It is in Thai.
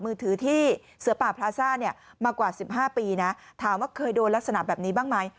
มือถือที่เสือป่าพลาซ่าเนี่ยมากว่า๑๕ปีนะถามว่าเคยโดนลักษณะแบบนี้บ้างไหม